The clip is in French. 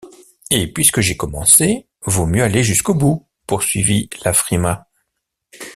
Et, puisque j’ai commencé, vaut mieux aller jusqu’au bout, poursuivit la Frimat.